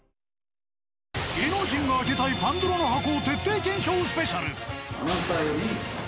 芸能人が開けたいパンドラの箱徹底検証ＳＰ。